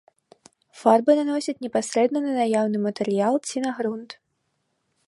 Фарбы наносяць непасрэдна на наяўны матэрыял ці на грунт.